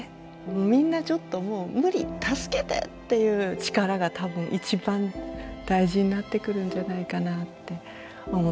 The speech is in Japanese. みんなちょっともう無理助けてっていう力が多分一番大事になってくるんじゃないかなって思っています。